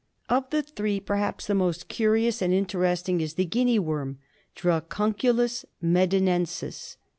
Of the three perhaps the most curious and interesting is the Guinea worm — Dracunculus medinensis.